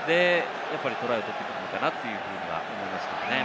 トライを取ってくるのかなと思います。